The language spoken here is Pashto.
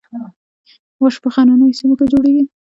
واش په غرنیو سیمو کې جوړیږي